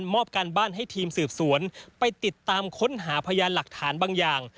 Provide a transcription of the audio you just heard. มอบการบ้านให้ทีมสืบสวนไปติดตามค้นหาพยานหลักฐานบางอย่าง